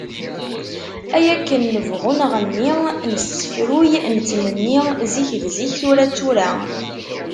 Ay akken nebɣu nɣenni, nessefruy nettmenni, zik d zik, tura d tura.